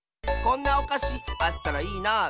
「こんなおかしあったらいいな」。